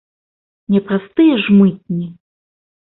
Не праз тыя ж мытні?